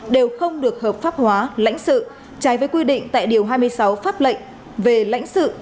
đều không được hợp pháp hóa lãnh sự trái với quy định tại điều hai mươi sáu pháp lệnh về lãnh sự